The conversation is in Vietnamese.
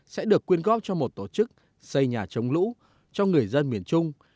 sẽ được quyên góp cho một tổ chức xây nhà chống lũ cho người dân miền trung